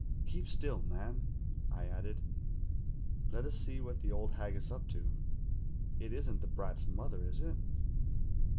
'Keep still, man,' I added. 'Let us see what the old hag is up to. It isn't the brat's mother, is it.